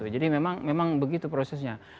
jadi memang begitu prosesnya